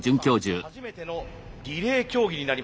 初めてのリレー競技になります。